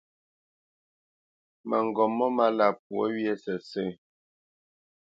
Mǝŋgop mó málá pwǒ wyê sǝ́sǝ̂.